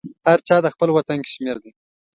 هر چاته خپل وطن کشمیر دی